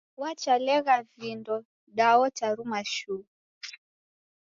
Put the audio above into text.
Wachakaleghaa vindo da odaruma shuu!